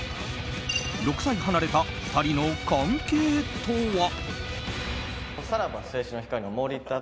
６歳離れた２人の関係とは。